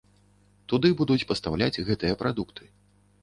Туды будуць пастаўляць гэтыя прадукты.